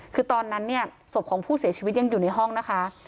คือตอนนั้นเนี่ยศพของผู้เสียชีวิตยังอยู่ในห้องนะคะ